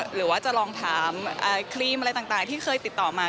หรือว่าจะลองถามครีมอะไรต่างที่เคยติดต่อมา